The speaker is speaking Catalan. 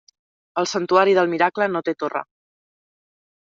El santuari del Miracle no té torre.